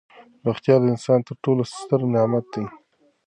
روغتیا د انسان تر ټولو ستر نعمت دی.